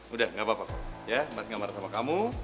udah gak apa apa ya mas gak marah sama kamu